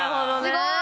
すごい！